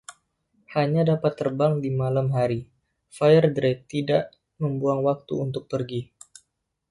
Hanya dapat terbang di malam hari, Firedrake tidak membuang waktu untuk pergi.